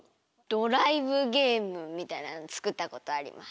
ドライブゲームみたいなのつくったことあります。